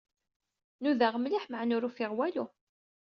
Nudaɣ mliḥ meɛna ur ufiɣ walu.